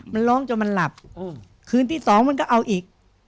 มันร้องจนมันหลับคืนที่สองมันก็เอาอีก